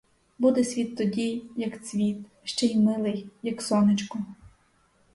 Буде світ тоді, як цвіт, ще й милий, як сонечко.